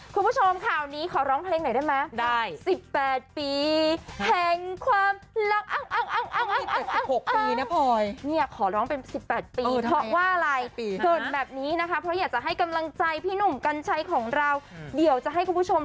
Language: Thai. คุณผู้ชมข่าวนี้ขอร้องเพลงไหนได้ไหม